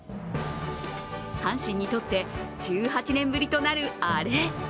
阪神にとって１８年ぶりとなるアレ。